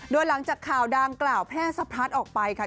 โดยหลังจากข่าวดังกล่าวแพร่สะพัดออกไปค่ะ